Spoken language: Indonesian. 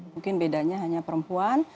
mungkin bedanya hanya perempuan